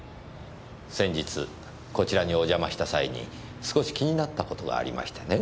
先日こちらにお邪魔した際に少し気になった事がありましてね。